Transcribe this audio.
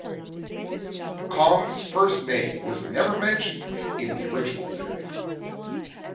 Kong's first name was never mentioned in the original series.